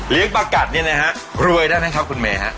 เรียกปลากัดเนี่ยนะฮะรวยได้มั้ยครับคุณเมฆฮะ